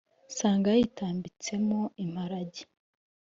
Nsanga yayitambitsemo imparage